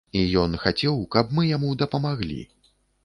І ён бы хацеў, каб мы яму дапамаглі.